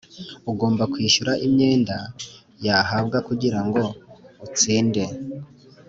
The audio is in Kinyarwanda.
ugomba kwishyura imyenda yahabwa kugira ngo utsinde